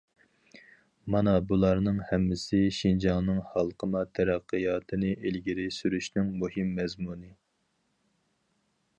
مانا بۇلارنىڭ ھەممىسى شىنجاڭنىڭ ھالقىما تەرەققىياتىنى ئىلگىرى سۈرۈشنىڭ مۇھىم مەزمۇنى.